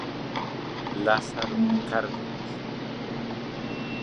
Lázaro Cárdenas".